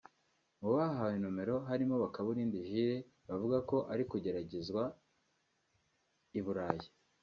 Mubahawe numero harimo Bakabulindi Julius bavuga ko ari kugeragezwa i Burayi